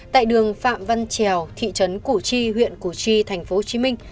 tại đường phạm văn trèo thị trấn củ chi huyện củ chi tp hcm